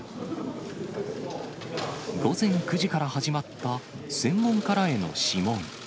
午前９時から始まった、専門家らへの諮問。